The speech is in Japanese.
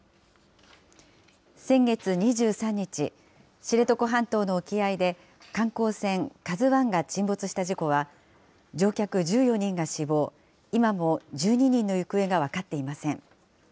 先月２３日、知床半島の沖合で観光船ＫＡＺＵＩが沈没した事故は、乗客１４人が死亡、今も１２人の行方が分かっていません。